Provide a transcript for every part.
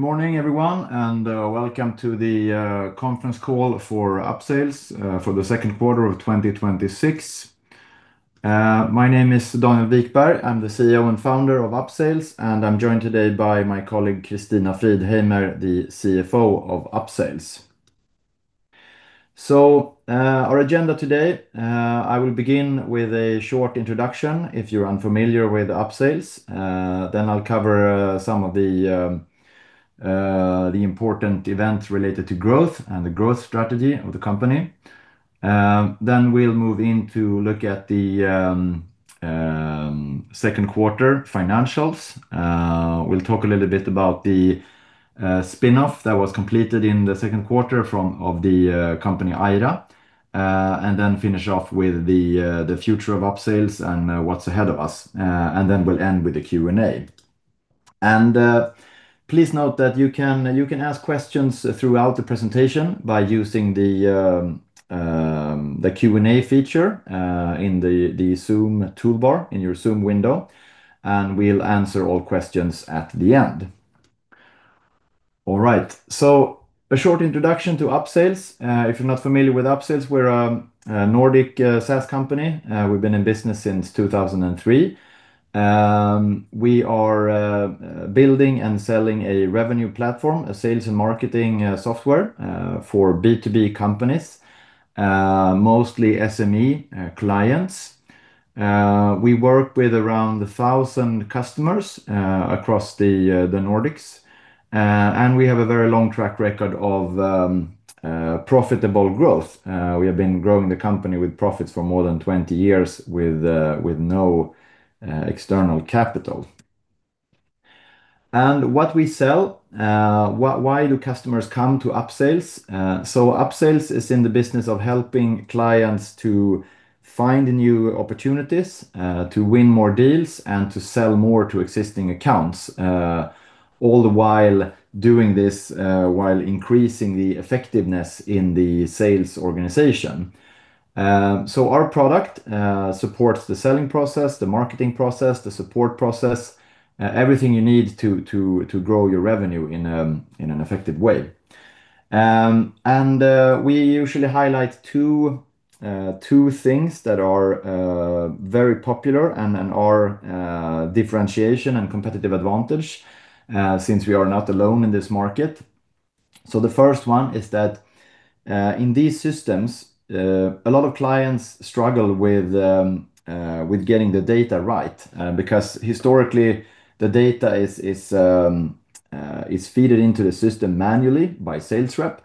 Good morning, everyone, and welcome to the conference call for Upsales for the second quarter of 2026. My name is Daniel Wikberg. I'm the CEO and Founder of Upsales, and I'm joined today by my colleague, Kristina Fridheimer, the CFO of Upsales. Our agenda today, I will begin with a short introduction if you're unfamiliar with Upsales. I'll cover some of the important events related to growth and the growth strategy of the company. We'll move in to look at the second quarter financials. We'll talk a little bit about the spinoff that was completed in the second quarter of the company, Aira, and finish off with the future of Upsales and what's ahead of us. We'll end with the Q&A. Please note that you can ask questions throughout the presentation by using the Q&A feature in the Zoom toolbar in your Zoom window, and we'll answer all questions at the end. All right. A short introduction to Upsales. If you're not familiar with Upsales, we're a Nordic SaaS company. We've been in business since 2003. We are building and selling a revenue platform, a sales and marketing software for B2B companies, mostly SME clients. We work with around 1,000 customers across the Nordics, and we have a very long track record of profitable growth. We have been growing the company with profits for more than 20 years with no external capital. What we sell, why do customers come to Upsales? Upsales is in the business of helping clients to find new opportunities, to win more deals, and to sell more to existing accounts, all the while doing this while increasing the effectiveness in the sales organization. Our product supports the selling process, the marketing process, the support process, everything you need to grow your revenue in an effective way. We usually highlight two things that are very popular and are differentiation and competitive advantage, since we are not alone in this market. The first one is that in these systems, a lot of clients struggle with getting the data right. Because historically, the data is fed into the system manually by sales rep,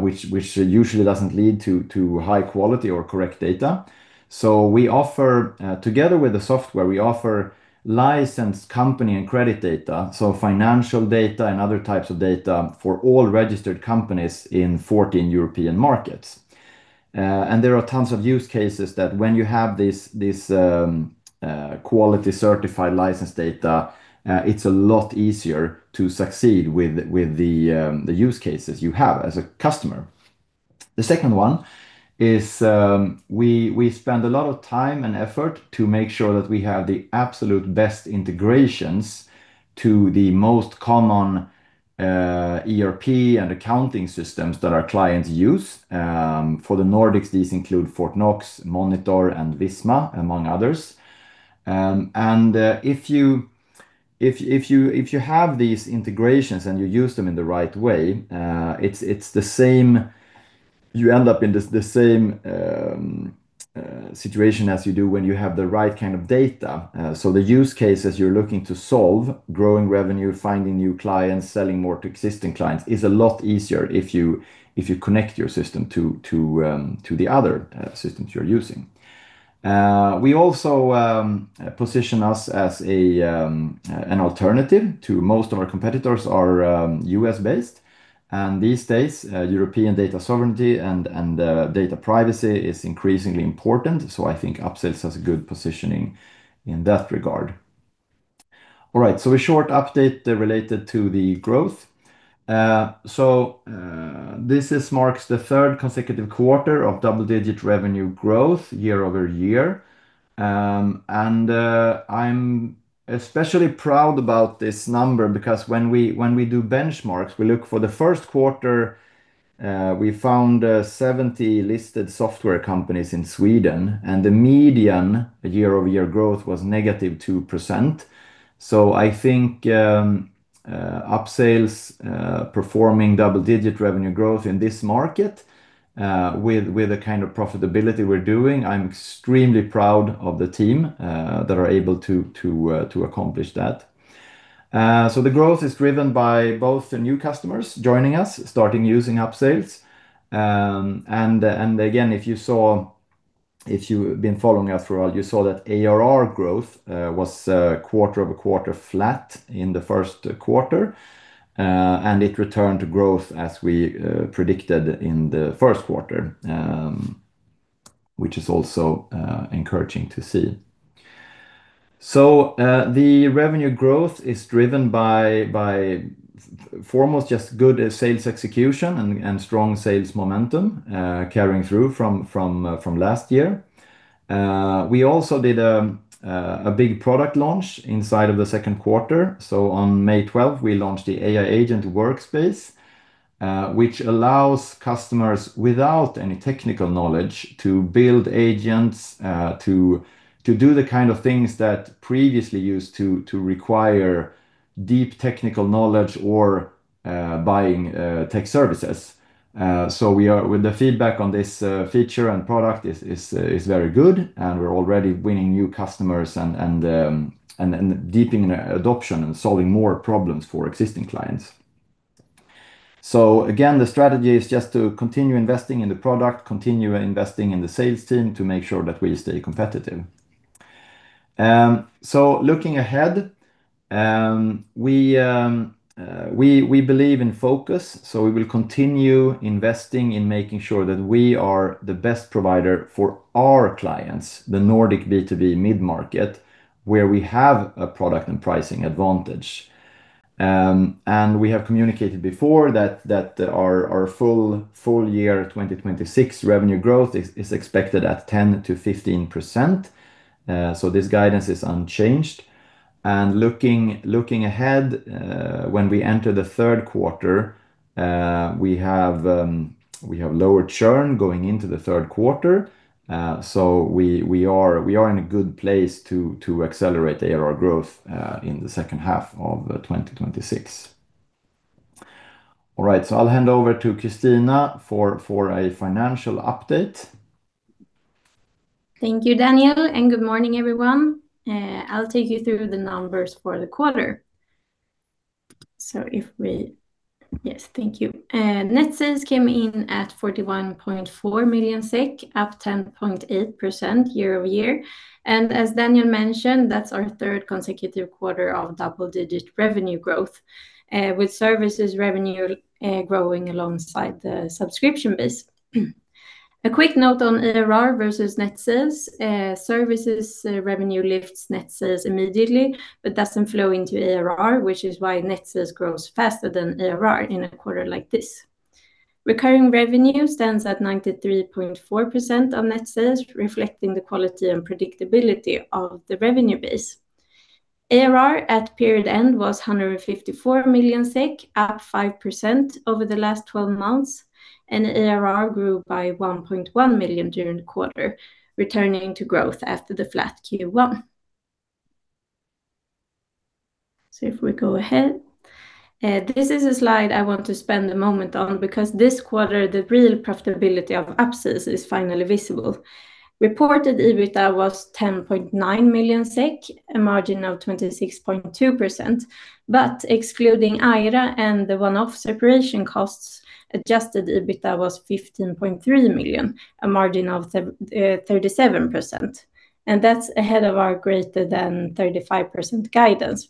which usually doesn't lead to high quality or correct data. Together with the software, we offer licensed company and credit data, financial data and other types of data for all registered companies in 14 European markets. There are tons of use cases that when you have this quality certified license data, it's a lot easier to succeed with the use cases you have as a customer. The second one is we spend a lot of time and effort to make sure that we have the absolute best integrations to the most common ERP and accounting systems that our clients use. For the Nordics, these include Fortnox, Monitor, and Visma, among others. If you have these integrations and you use them in the right way, you end up in the same situation as you do when you have the right kind of data. The use cases you're looking to solve, growing revenue, finding new clients, selling more to existing clients, is a lot easier if you connect your system to the other systems you're using. We also position us as an alternative to most of our competitors are U.S. based. These days, European data sovereignty and data privacy is increasingly important. I think Upsales has a good positioning in that regard. All right. A short update related to the growth. This marks the third consecutive quarter of double-digit revenue growth year-over-year. I'm especially proud about this number because when we do benchmarks, we look for the first quarter, we found 70 listed software companies in Sweden, and the median year-over-year growth was -2%. I think Upsales performing double-digit revenue growth in this market, with the kind of profitability we're doing, I'm extremely proud of the team that are able to accomplish that. The growth is driven by both the new customers joining us, starting using Upsales. Again, if you've been following us for a while, you saw that ARR growth was quarter-over-quarter flat in the first quarter. It returned to growth as we predicted in the first quarter, which is also encouraging to see. The revenue growth is driven by foremost just good sales execution and strong sales momentum carrying through from last year. We also did a big product launch inside of the second quarter. On May 12th, we launched the AI Agent Workspace. Which allows customers without any technical knowledge to build agents, to do the kind of things that previously used to require deep technical knowledge or buying tech services. The feedback on this feature and product is very good, and we're already winning new customers and deepening adoption and solving more problems for existing clients. Again, the strategy is just to continue investing in the product, continue investing in the sales team to make sure that we stay competitive. Looking ahead, we believe in focus, we will continue investing in making sure that we are the best provider for our clients, the Nordic B2B mid-market, where we have a product and pricing advantage. We have communicated before that our full year 2026 revenue growth is expected at 10%-15%. This guidance is unchanged. Looking ahead, when we enter the third quarter, we have lower churn going into the third quarter. We are in a good place to accelerate ARR growth in the second half of 2026. All right, so I'll hand over to Kristina for a financial update. Thank you, Daniel, and good morning, everyone. I'll take you through the numbers for the quarter. Yes, thank you. Net sales came in at 41.4 million SEK, up 10.8% year-over-year. As Daniel mentioned, that's our third consecutive quarter of double-digit revenue growth, with services revenue growing alongside the subscription base. A quick note on ARR versus net sales. Services revenue lifts net sales immediately but doesn't flow into ARR, which is why net sales grows faster than ARR in a quarter like this. Recurring revenue stands at 93.4% of net sales, reflecting the quality and predictability of the revenue base. ARR at period end was 154 million SEK, up 5% over the last 12 months, and ARR grew by 1.1 million during the quarter, returning to growth after the flat Q1. This is a slide I want to spend a moment on because this quarter, the real profitability of Upsales is finally visible. Reported EBITDA was 10.9 million SEK, a margin of 26.2%, but excluding Aira and the one-off separation costs, adjusted EBITDA was 15.3 million, a margin of 37%. That's ahead of our greater than 35% guidance.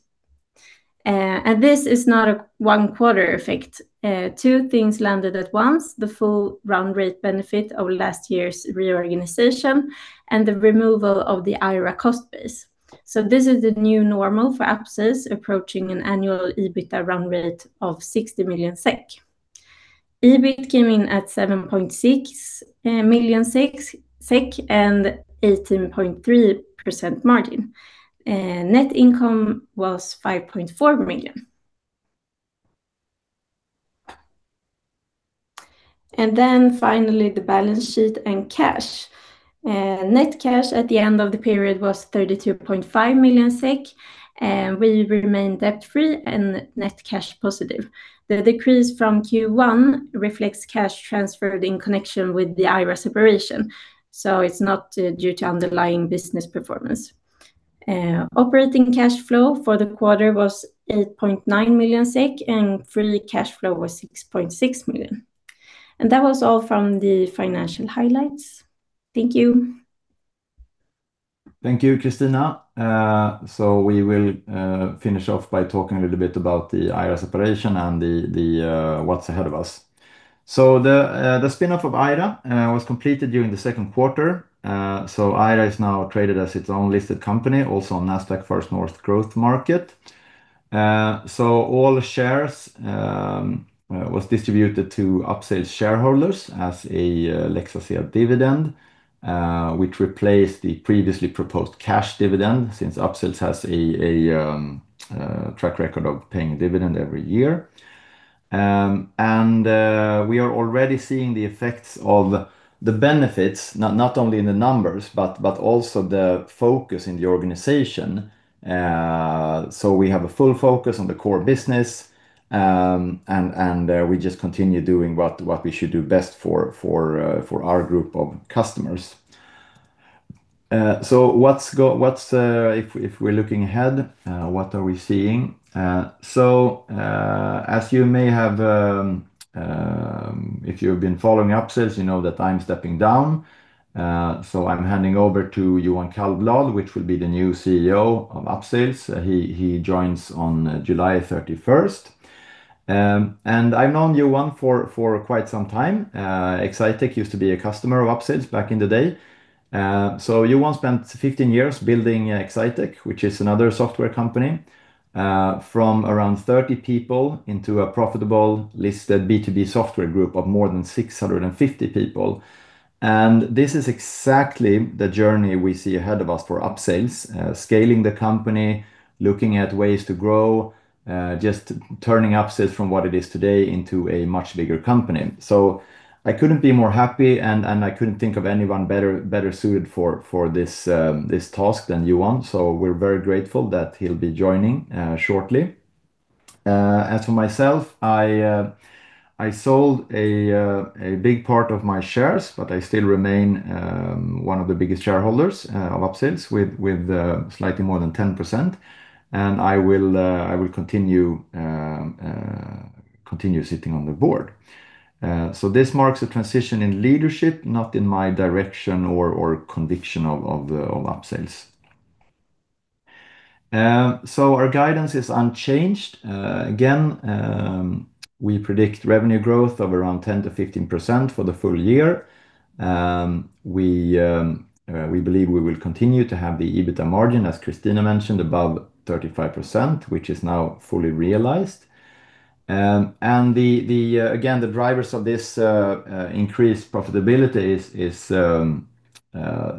This is not a one-quarter effect. Two things landed at once: the full run rate benefit of last year's reorganization and the removal of the Aira cost base. This is the new normal for Upsales, approaching an annual EBITDA run rate of 60 million SEK. EBIT came in at 7.6 million SEK and 18.3% margin. Net income was 5.4 million. Finally, the balance sheet and cash. Net cash at the end of the period was 32.5 million SEK. We remain debt-free and net cash positive. The decrease from Q1 reflects cash transferred in connection with the Aira separation, so it's not due to underlying business performance. Operating cash flow for the quarter was 8.9 million SEK, and free cash flow was 6.6 million. That was all from the financial highlights. Thank you. Thank you, Kristina. We will finish off by talking a little bit about the Aira separation and what's ahead of us. The spin-off of Aira was completed during the second quarter. Aira is now traded as its own listed company, also on Nasdaq First North Growth Market. All shares was distributed to Upsales shareholders as a Lex ASEA share dividend, which replaced the previously proposed cash dividend, since Upsales has a track record of paying a dividend every year. We are already seeing the effects of the benefits, not only in the numbers, but also the focus in the organization. We have a full focus on the core business, and we just continue doing what we should do best for our group of customers. If we're looking ahead, what are we seeing? If you've been following Upsales, you know that I'm stepping down. I'm handing over to Johan Kallblad, which will be the new CEO of Upsales. He joins on July 31st. I've known Johan for quite some time. Exsitec used to be a customer of Upsales back in the day. Johan spent 15 years building Exsitec, which is another software company, from around 30 people into a profitable, listed B2B software group of more than 650 people. This is exactly the journey we see ahead of us for Upsales, scaling the company, looking at ways to grow, just turning Upsales from what it is today into a much bigger company. I couldn't be more happy, and I couldn't think of anyone better suited for this task than Johan. We're very grateful that he'll be joining shortly. As for myself, I sold a big part of my shares, but I still remain one of the biggest shareholders of Upsales with slightly more than 10%. I will continue sitting on the board. This marks a transition in leadership, not in my direction or conviction of Upsales. Our guidance is unchanged. Again, we predict revenue growth of around 10%-15% for the full year. We believe we will continue to have the EBITDA margin, as Kristina mentioned, above 35%, which is now fully realized. Again, the drivers of this increased profitability is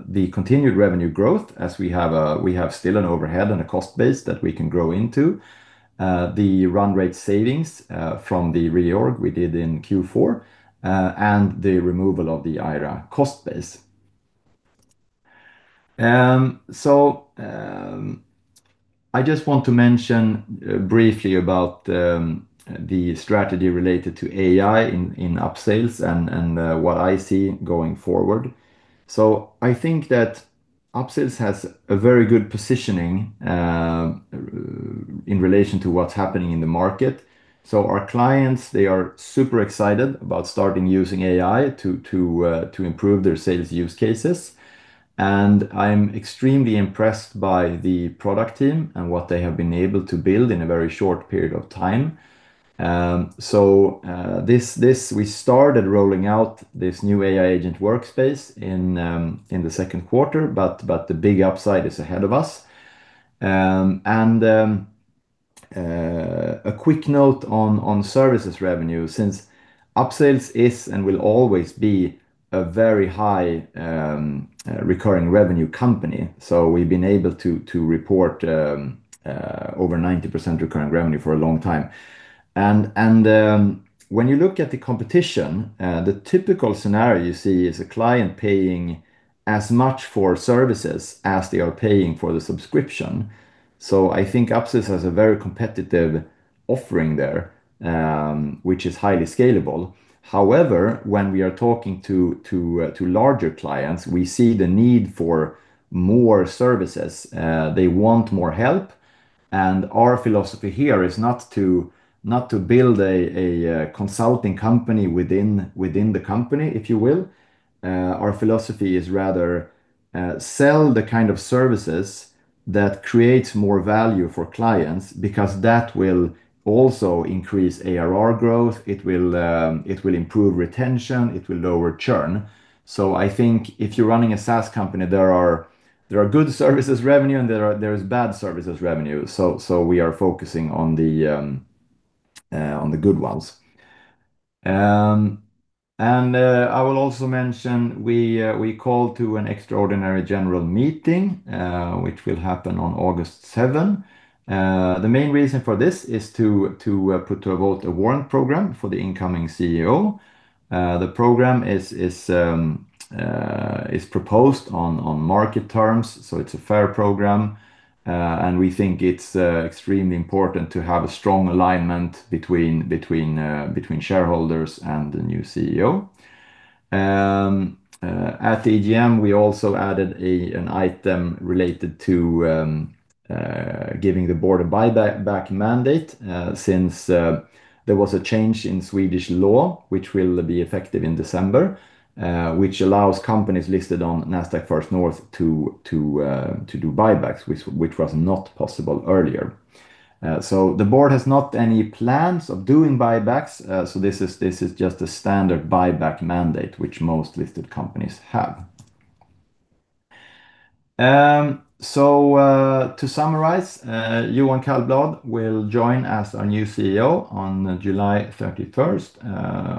the continued revenue growth as we have still an overhead and a cost base that we can grow into. The run rate savings from the reorg we did in Q4, and the removal of the Aira cost base. I just want to mention briefly about the strategy related to AI in Upsales and what I see going forward. I think that Upsales has a very good positioning in relation to what's happening in the market. Our clients, they are super excited about starting using AI to improve their sales use cases. I'm extremely impressed by the product team and what they have been able to build in a very short period of time. We started rolling out this new AI Agent Workspace in the second quarter, but the big upside is ahead of us. A quick note on services revenue, since Upsales is and will always be a very high recurring revenue company. We've been able to report over 90% recurring revenue for a long time. When you look at the competition, the typical scenario you see is a client paying as much for services as they are paying for the subscription. I think Upsales has a very competitive offering there, which is highly scalable. However, when we are talking to larger clients, we see the need for more services. They want more help, and our philosophy here is not to build a consulting company within the company, if you will. Our philosophy is rather sell the kind of services that creates more value for clients, because that will also increase ARR growth. It will improve retention. It will lower churn. I think if you're running a SaaS company, there are good services revenue, and there is bad services revenue. We are focusing on the good ones. I will also mention, we call to an extraordinary general meeting, which will happen on August 7. The main reason for this is to put to a vote a warrant program for the incoming CEO. The program is proposed on market terms, so it's a fair program. We think it's extremely important to have a strong alignment between shareholders and the new CEO. At the AGM, we also added an item related to giving the board a buyback mandate, since there was a change in Swedish law, which will be effective in December, which allows companies listed on Nasdaq First North to do buybacks, which was not possible earlier. The board has not any plans of doing buybacks. This is just a standard buyback mandate, which most listed companies have. To summarize, Johan Kallblad will join as our new CEO on July 31st.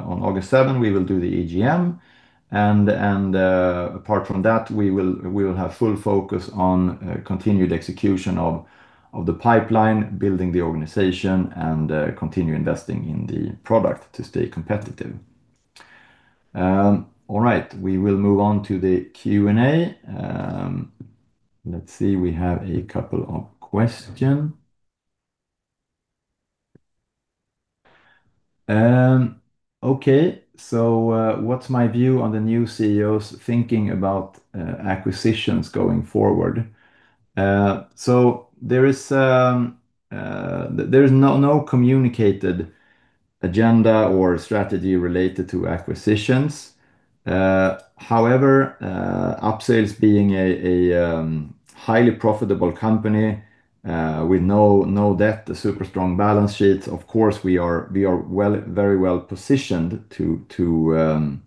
On August 7, we will do the AGM, apart from that, we will have full focus on continued execution of the pipeline, building the organization, and continue investing in the product to stay competitive. All right, we will move on to the Q&A. Let's see, we have a couple of question. What's my view on the new CEO's thinking about acquisitions going forward? There is no communicated agenda or strategy related to acquisitions. However, Upsales being a highly profitable company, with no debt, a super strong balance sheet, of course we are very well positioned to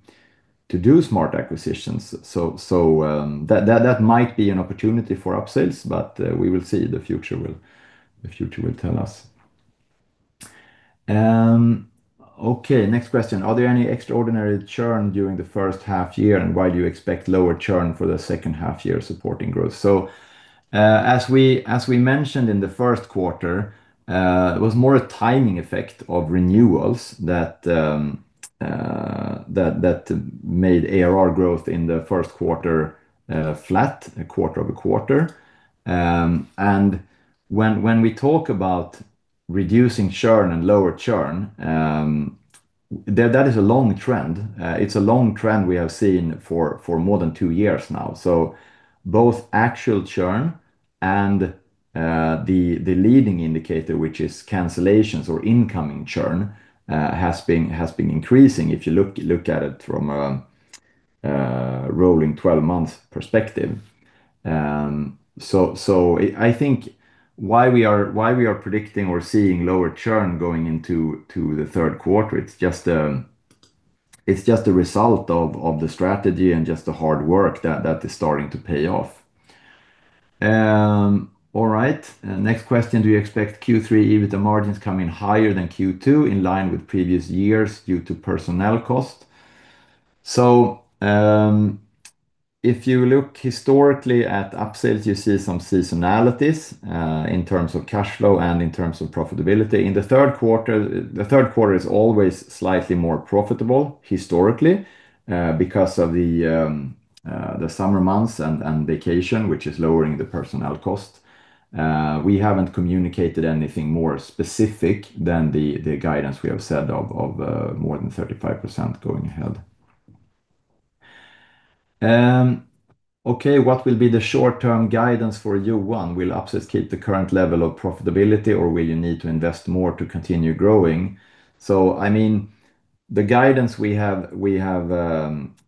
do smart acquisitions. That might be an opportunity for Upsales, but we will see. The future will tell us. Next question. Are there any extraordinary churn during the first half-year, and why do you expect lower churn for the second half-year supporting growth? As we mentioned in the first quarter, it was more a timing effect of renewals that made ARR growth in the first quarter flat, quarter-over-quarter. When we talk about reducing churn and lower churn, that is a long trend. It's a long trend we have seen for more than two years now. Both actual churn and the leading indicator, which is cancellations or incoming churn, has been increasing, if you look at it from a rolling 12-month perspective. I think why we are predicting or seeing lower churn going into the third quarter, it's just a result of the strategy and just the hard work that is starting to pay off. Next question. Do you expect Q3 EBITDA margins coming higher than Q2 in line with previous years due to personnel cost? If you look historically at Upsales, you see some seasonalities, in terms of cash flow and in terms of profitability. The third quarter is always slightly more profitable historically, because of the summer months and vacation, which is lowering the personnel cost. We haven't communicated anything more specific than the guidance we have said of more than 35% going ahead. What will be the short-term guidance for Johan? Will Upsales keep the current level of profitability, or will you need to invest more to continue growing? The guidance we have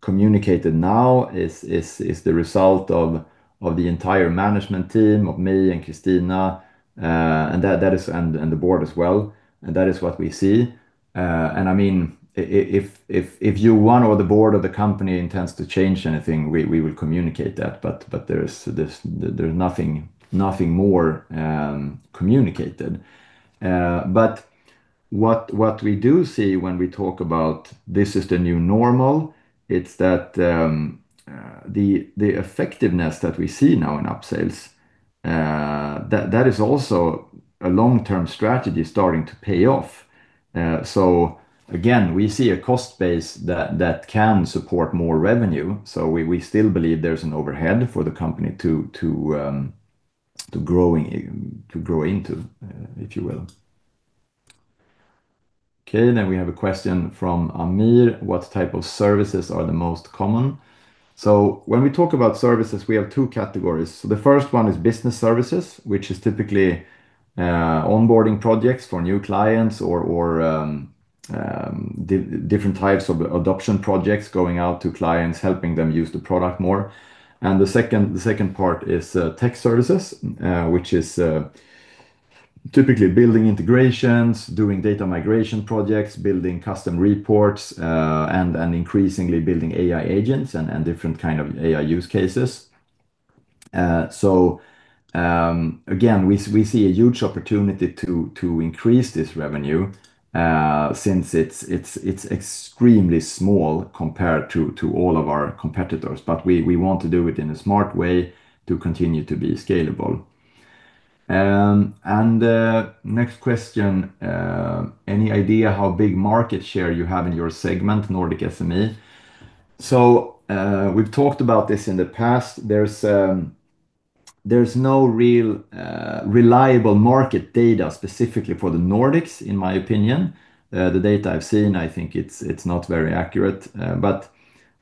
communicated now is the result of the entire management team, of me and Kristina, and the board as well, and that is what we see. If Johan or the board of the company intends to change anything, we will communicate that, but there's nothing more communicated. What we do see when we talk about this is the new normal, it's that the effectiveness that we see now in Upsales, that is also a long-term strategy starting to pay off. Again, we see a cost base that can support more revenue. We still believe there's an overhead for the company to grow into, if you will. We have a question from Amir: What type of services are the most common? When we talk about services, we have two categories. The first one is business services, which is typically onboarding projects for new clients or different types of adoption projects going out to clients, helping them use the product more. The second part is tech services, which is typically building integrations, doing data migration projects, building custom reports, and increasingly building AI agents and different kind of AI use cases. Again, we see a huge opportunity to increase this revenue, since it's extremely small compared to all of our competitors. We want to do it in a smart way to continue to be scalable. Next question, any idea how big market share you have in your segment, Nordic SME? We've talked about this in the past. There's no real reliable market data specifically for the Nordics, in my opinion. The data I've seen, I think it's not very accurate.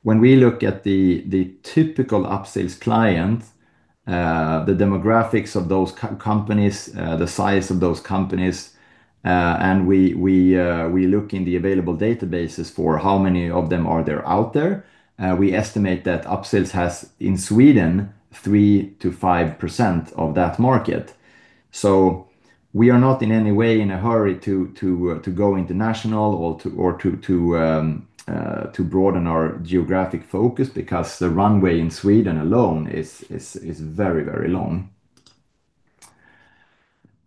When we look at the typical Upsales client, the demographics of those companies, the size of those companies, and we look in the available databases for how many of them are there out there. We estimate that Upsales has, in Sweden, 3%-5% of that market. We are not in any way in a hurry to go international or to broaden our geographic focus because the runway in Sweden alone is very, very long.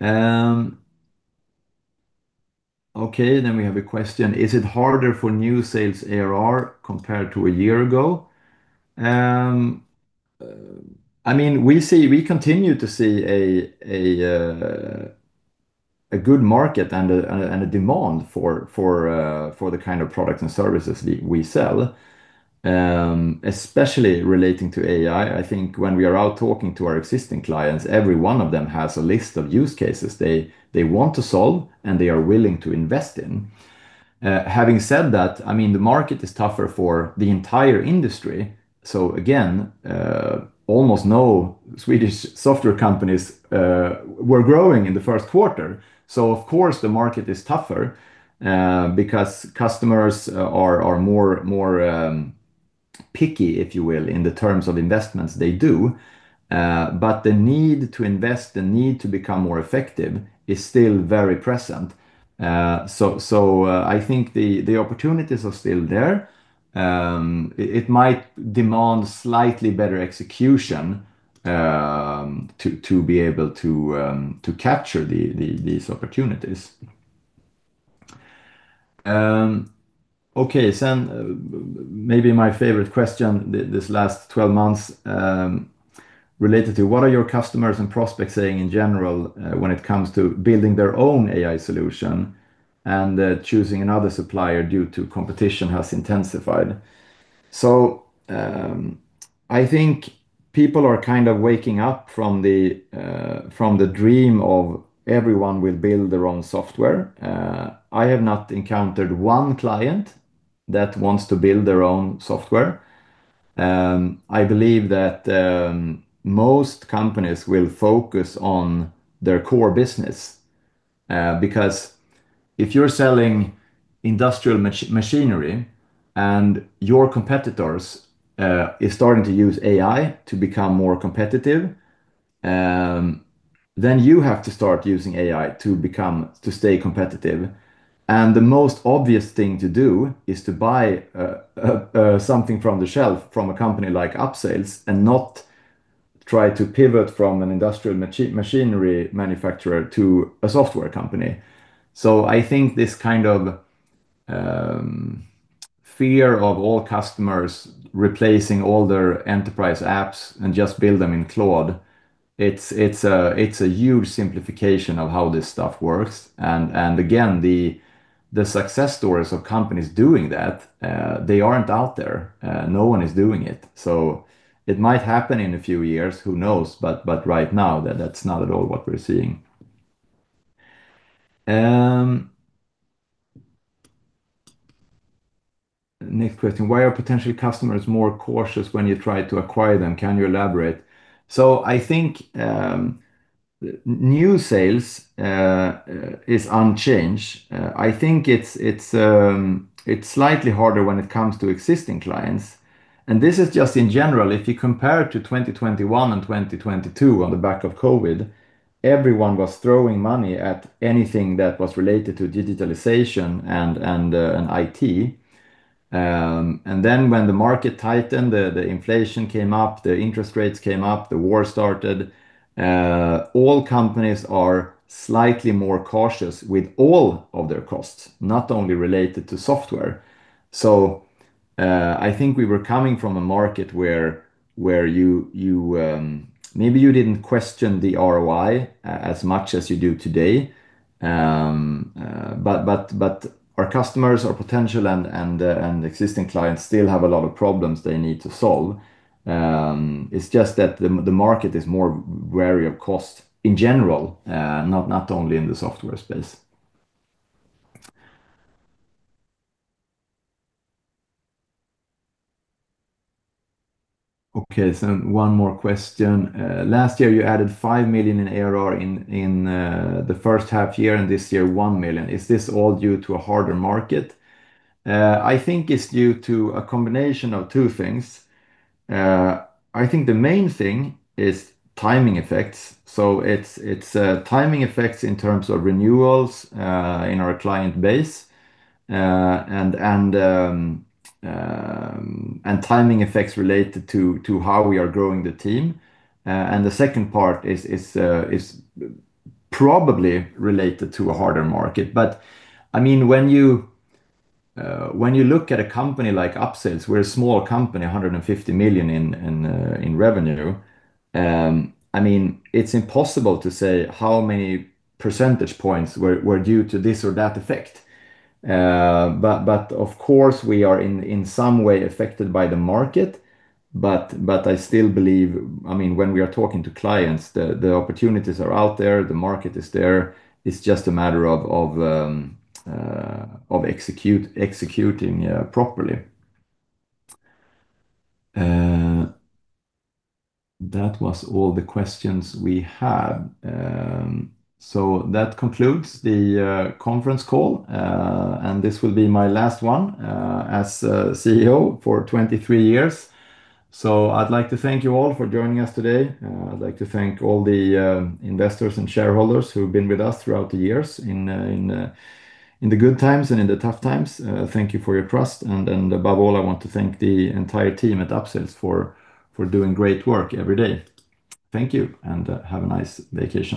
We have a question. Is it harder for new sales ARR compared to a year ago? We continue to see a good market and a demand for the kind of products and services we sell, especially relating to AI. I think when we are out talking to our existing clients, every one of them has a list of use cases they want to solve and they are willing to invest in. Having said that, the market is tougher for the entire industry. Again, almost no Swedish software companies were growing in the first quarter. Of course, the market is tougher, because customers are more picky, if you will, in the terms of investments they do. The need to invest, the need to become more effective is still very present. I think the opportunities are still there. It might demand slightly better execution to be able to capture these opportunities. Maybe my favorite question this last 12 months. Related to what are your customers and prospects saying in general when it comes to building their own AI solution and choosing another supplier due to competition has intensified. I think people are kind of waking up from the dream of everyone will build their own software. I have not encountered one client that wants to build their own software. I believe that most companies will focus on their core business, because if you're selling industrial machinery and your competitors are starting to use AI to become more competitive, then you have to start using AI to stay competitive. The most obvious thing to do is to buy something from the shelf from a company like Upsales and not try to pivot from an industrial machinery manufacturer to a software company. I think this kind of fear of all customers replacing all their enterprise apps and just build them in Claude, it's a huge simplification of how this stuff works. Again, the success stories of companies doing that, they aren't out there. No one is doing it. It might happen in a few years, who knows? Right now, that's not at all what we're seeing. Next question: "Why are potential customers more cautious when you try to acquire them? Can you elaborate?" I think new sales is unchanged. I think it's slightly harder when it comes to existing clients, and this is just in general. If you compare it to 2021 and 2022 on the back of COVID, everyone was throwing money at anything that was related to digitalization and IT. Then when the market tightened, the inflation came up, the interest rates came up, the war started, all companies are slightly more cautious with all of their costs, not only related to software. I think we were coming from a market where maybe you didn't question the ROI as much as you do today. Our customers, our potential and existing clients still have a lot of problems they need to solve. It's just that the market is more wary of cost in general, not only in the software space. Okay, one more question. "Last year, you added 5 million in ARR in the first half year, and this year, 1 million. Is this all due to a harder market?" I think it's due to a combination of two things. I think the main thing is timing effects. It's timing effects in terms of renewals in our client base, and timing effects related to how we are growing the team. The second part is probably related to a harder market. When you look at a company like Upsales, we're a small company, 150 million in revenue. It's impossible to say how many percentage points were due to this or that effect. Of course, we are in some way affected by the market. I still believe when we are talking to clients, the opportunities are out there. The market is there. It's just a matter of executing properly. That was all the questions we had. That concludes the conference call, and this will be my last one as CEO for 23 years. I'd like to thank you all for joining us today. I'd like to thank all the investors and shareholders who've been with us throughout the years in the good times and in the tough times. Thank you for your trust. Above all, I want to thank the entire team at Upsales for doing great work every day. Thank you, and have a nice vacation